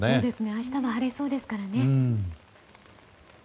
明日は晴れそうですからね。